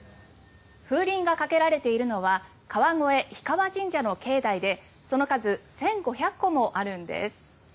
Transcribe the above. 風鈴がかけられているのは川越氷川神社の境内でその数１５００個もあるんです。